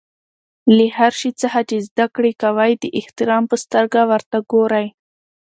له هر شي څخه چي زدکړه کوى؛ د احترام په سترګه ورته ګورئ!